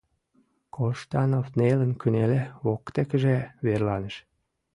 Коштанов нелын кынеле, воктекыже верланыш.